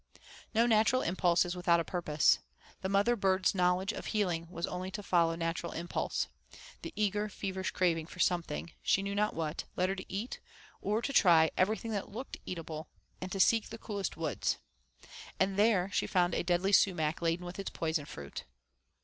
No natural impulse is without a purpose. The mother bird's knowledge of healing was only to follow natural impulse. The eager, feverish craving for something, she knew not what, led her to eat, or try, everything that looked eatable and to seek the coolest woods. And there she found a deadly sumac laden with its poison fruit.